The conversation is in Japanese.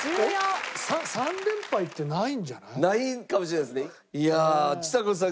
ないかもしれないですね。